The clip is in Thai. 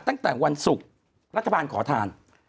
ตั้งแต่วันศุกร์รัฐบาลขอทาน